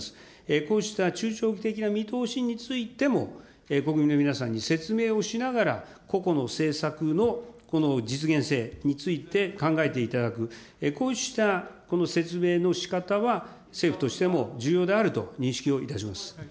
こうした中長期的な見通しについても、国民の皆さんに説明をしながら、個々の政策のこの実現性について考えていただく、こうした説明のしかたは、政府としても重要であると認識をいたします。